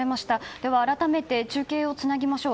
では改めて中継をつなぎましょう。